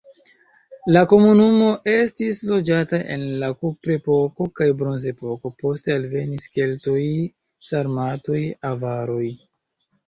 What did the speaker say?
La komunumo estis loĝata en la kuprepoko kaj bronzepoko, poste alvenis keltoj, sarmatoj, avaroj.